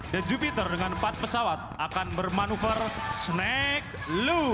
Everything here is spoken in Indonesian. the jupiter dengan empat pesawat akan bermanuver snake low